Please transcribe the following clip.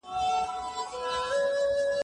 بله جمعه به زه هرو مرو ځم.